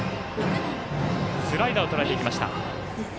スライダーをとらえていきました。